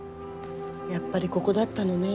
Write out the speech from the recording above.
やっぱりここだったのね。